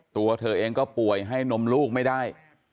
ตัวเธอเองก็ป่วยให้นมลูกไม่ได้